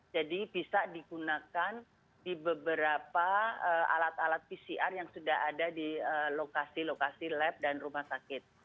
jadi bisa digunakan di beberapa alat alat pcr yang sudah ada di lokasi lokasi lab dan rumah sakit